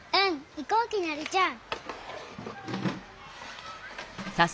いこうきなりちゃん。